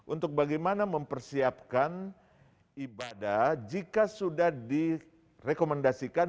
untuk bagaimana mempersiapkan ibadah jika sudah direkomendasikan